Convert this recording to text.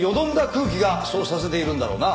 空気がそうさせているんだろうな。